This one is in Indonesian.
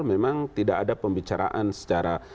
memang tidak ada pembicaraan secara